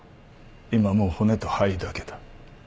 今はもう骨と灰だけだ。